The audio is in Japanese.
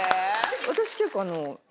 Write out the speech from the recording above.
私結構。